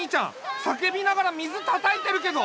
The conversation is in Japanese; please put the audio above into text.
さけびながら水たたいてるけど。